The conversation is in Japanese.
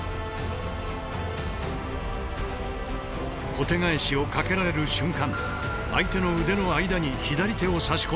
小手返しをかけられる瞬間相手の腕の間に左手を差し込んでいる。